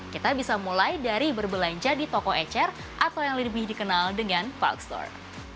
kita bisa mulai dari berbelanja di toko ecer atau yang lebih dikenal dengan park store